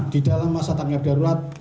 di dalam masa tanggap darurat